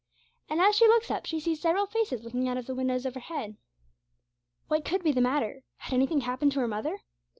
And as she looks up she sees several faces looking out of the windows overhead. What could be the matter? Had anything happened to her mother?